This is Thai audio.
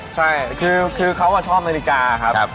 ใช่คือเขาชอบนาฬิกาครับ